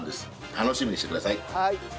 楽しみにしてください。